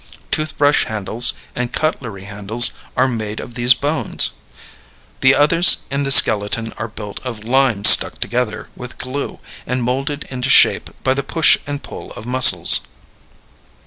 Tooth brush handles and cutlery handles are made of these bones. The others in the skeleton are built of lime stuck together with glue and molded into shape by the push and pull of muscles.